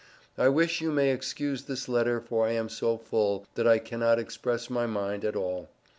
I wish you may excuse this letter for I am so full that I cannot express my mind at all.